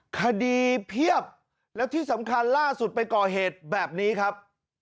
เพียบแล้วที่สำคัญล่าสุดไปก่อเหตุแบบนี้ครับ